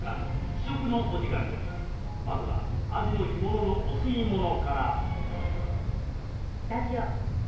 まずはアジの干物のお吸い物から。